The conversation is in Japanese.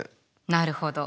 なるほど。